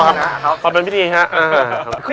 โอ้โหโอ้โหโอ้โหโอ้โหโอ้โหโอ้โหโอ้โหโอ้โหโอ้โห